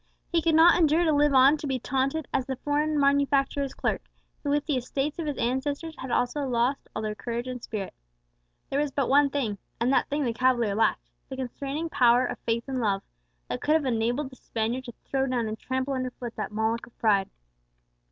He could not endure to live on to be taunted as the foreign manufacturer's clerk, who with the estates of his ancestors had also lost all their courage and spirit. There was but one thing (and that thing the cavalier lacked) the constraining power of faith and love that could have enabled the Spaniard to throw down and trample under foot that Moloch of pride.